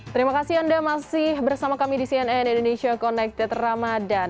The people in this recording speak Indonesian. terima kasih anda masih bersama kami di cnn indonesia connected ramadhan